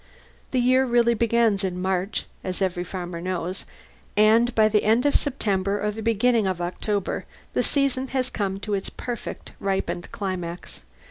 The year really begins in March, as every farmer knows, and by the end of September or the beginning of October the season has come to its perfect, ripened climax.